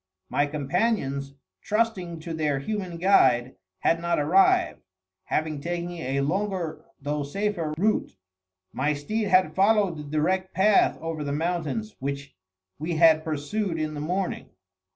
My companions, trusting to their human guide, had not arrived, having taken a longer though safer route. My steed had followed the direct path over the mountains which we had pursued in the morning.